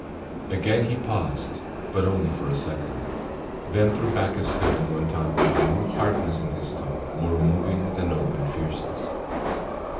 Again he paused, but only for a second; then threw back his head and went on with a new hardness in his tone more moving than open fierceness.